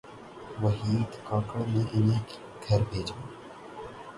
وحید کاکڑ نے انہیں گھر بھیجا۔